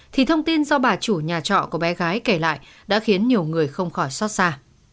thì thông tin do bà chủ nhà trọ của bé gái kể lại đã khiến nhiều người không khỏi xót xa